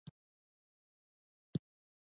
د یخ وهلو مخنیوی کیږي.